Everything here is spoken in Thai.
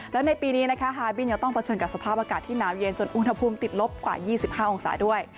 และในปีนี้นะคะฮาบินยังต้องเผชิญกับสภาพอากาศที่หนาวเย็นจนอุณหภูมิติดลบกว่า๒๕องศาด้วย